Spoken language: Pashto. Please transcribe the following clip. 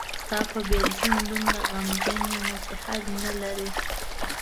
ستاپه بیلتون دومره غمجن یمه چی حد نلری.